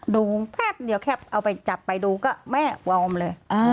ดูแป๊บเดียวแค่เอาไปจับไปดูก็แม่วอร์มเลย